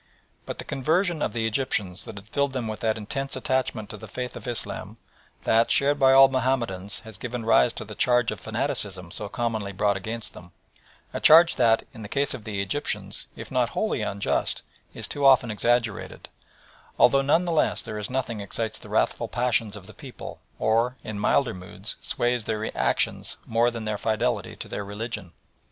But the conversion of the Egyptians has filled them with that intense attachment to the faith of Islam that, shared by all Mahomedans, has given rise to the charge of fanaticism so commonly brought against them a charge that, in the case of the Egyptians, if not wholly unjust, is too often exaggerated, although none the less there is nothing excites the wrathful passions of the people or, in milder moods, sways their actions more than their fidelity to their religion.